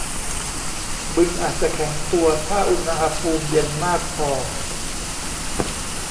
บึงอาจจะแข็งตัวถ้าอุณหภูมิเย็นมากพอ